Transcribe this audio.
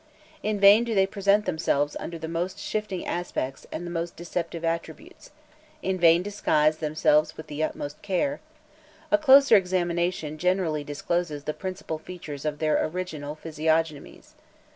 In vain do they present themselves under the most shifting aspects and the most deceptive attributes; in vain disguise themselves with the utmost care; a closer examination generally discloses the principal features of their original physiognomies.